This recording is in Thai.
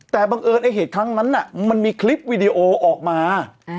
แต่บังเอิญไอ้เหตุครั้งนั้นมันมีคลิปวิดีโอออกมา